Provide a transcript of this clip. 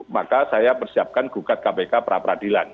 maka saya persiapkan gugat kpk pra peradilan